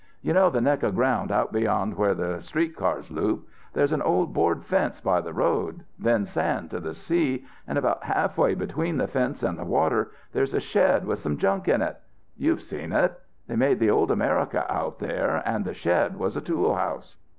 You know the neck of ground out beyond where the street cars loop; there's an old board fence by the road, then sand to the sea, and about halfway between the fence and the water there's a shed with some junk in it. You've seen it. They made the old America out there and the shed was a tool house.